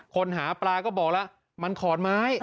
คนหาปลาก็บอกล่ะมันขอนไม้